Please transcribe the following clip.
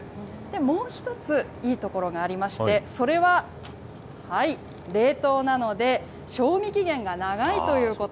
もう１ついいところがありまして、それは、冷凍なので、賞味期限が長いということ。